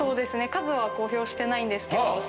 数は公表してないんですけど。